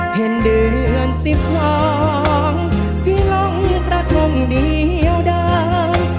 เห็นเดือนสิบสองพี่ลงประทงเดียวด้าน